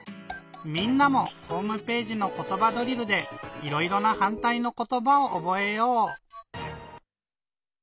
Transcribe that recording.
みんなもホームページの「ことばドリル」でいろいろなはんたいのことばをおぼえよう！